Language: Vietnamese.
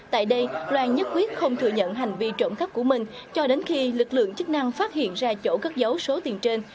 tại đây loan nhất quyết không thừa nhận hành vi trộm cắp của mình cho đến khi lực lượng chức năng phát hiện ra chỗ cất dấu số tiền trên